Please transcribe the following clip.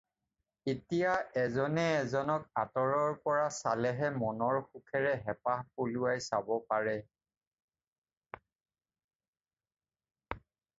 এতিয়া এজনে এজনক আঁতৰৰ পৰা চালেহে মনৰ সুখেৰে হেপাহ পলুৱাই চাব পাৰে।